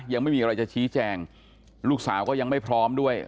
ยังไม่มีอะไรจะชี้แจงลูกสาวก็ยังไม่พร้อมด้วย